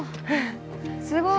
すごい。